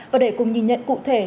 và để cùng nhìn nhận cụ thể